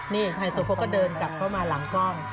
นี่ไฮโซโพกก็เดินกลับเข้ามาหลังกล้อง